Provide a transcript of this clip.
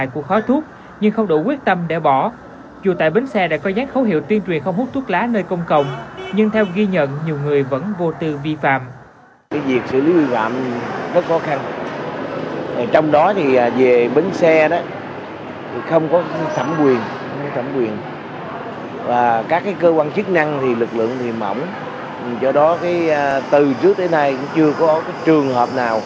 chưa có trường hợp nào vi phạm mà bị xử lý vi phạm bằng chính